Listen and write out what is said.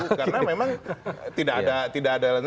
karena memang tidak ada